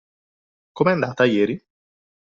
Come è andata ieri?